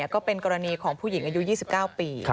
ก็เป็นกรณีของผู้หญิงอายุ๒๙ปี